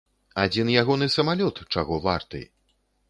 Адзін ягоны самалёт чаго варты!